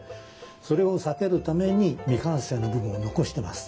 それを避けるために未完成の部分を残してます。